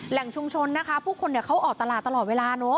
แหล่งชุมชนนะคะผู้คนเขาออกตลาดตลอดเวลาเนอะ